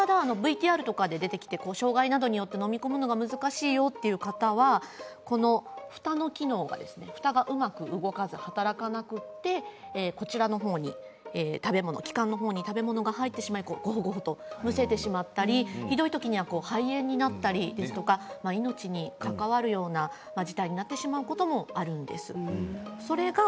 ＶＴＲに出てきている障害によって飲み込むのが難しいという方はこのふたの機能がうまく働かなくて気管のほうに食べ物が入ってしまってごほごほとむせてしまったりひどいときには肺炎になったり命に関わるような事態になってしまうこともあるんです。